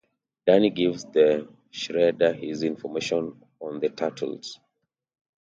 Danny gives The Shredder his information on the Turtles.